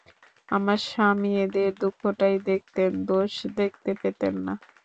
আমার স্বামী এঁদের দুঃখটাই দেখতেন, দোষ দেখতে পেতেন না।